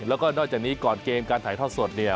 แล้วก็นอกจากนี้ก่อนเกมการถ่ายทอดสดเนี่ย